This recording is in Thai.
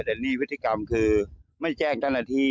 แต่นี่พฤติกรรมคือไม่แจ้งเจ้าหน้าที่